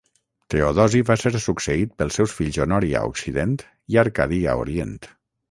Teodosi va ser succeït pels seus fills Honori a Occident i Arcadi a Orient.